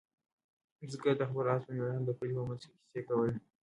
بزګر د خپل آس په مېړانه د کلي په منځ کې کیسې کولې.